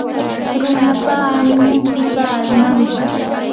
runapa animun; pipa almanpas